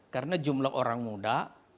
karena jumlah orang muda